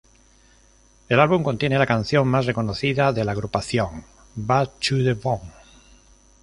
El álbum contiene la canción más reconocida de la agrupación, "Bad to the Bone".